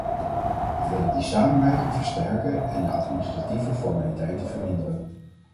We willen die samenwerking versterken en de administratieve formaliteiten verminderen.